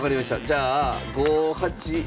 じゃあ５八あっ。